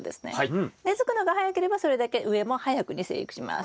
根づくのが早ければそれだけ上も早くに生育します。